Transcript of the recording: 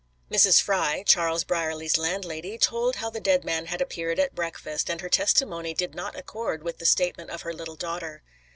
Mrs. Fry, Charles Brierly's landlady, told how the dead man had appeared at breakfast, and her testimony did not accord with the statement of her little daughter.